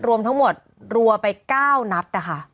รวมทั้งหมดรัวไป๙นัดนะคะ